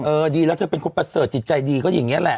ดีแล้วเธอเป็นคนประเสริฐจิตใจดีก็อย่างนี้แหละ